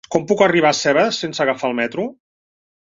Com puc arribar a Seva sense agafar el metro?